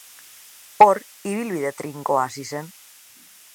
Hor ibilbide trinkoa hasi zen.